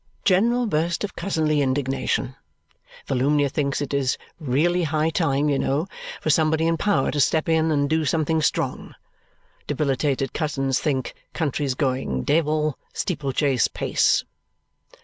General burst of cousinly indignation. Volumnia thinks it is really high time, you know, for somebody in power to step in and do something strong. Debilitated cousin thinks country's going Dayvle steeple chase pace.